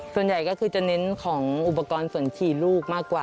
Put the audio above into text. ส่วนใหญ่ก็คือจะเน้นของอุปกรณ์ส่วนขี่ลูกมากกว่า